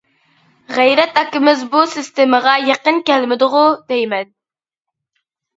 غەيرەت ئاكىمىز بۇ سىستېمىغا يېقىن كەلمىدىغۇ دەيمەن.